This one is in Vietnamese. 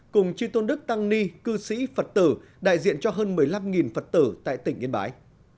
cùng chi tôn đức tăng ni cư sĩ phật tử đại diện cho hơn một mươi năm phật tử tại tỉnh yên bái